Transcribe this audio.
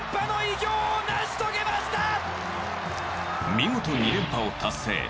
見事、２連覇を達成。